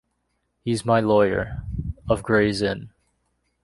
He’s my lawyer, of Gray’s Inn.